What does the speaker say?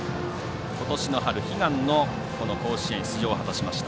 ことしの春、悲願のこの甲子園出場を果たしました。